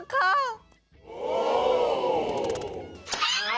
หาจำไม่จำจำไม่จำ